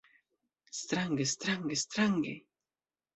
Strange, strange, strange.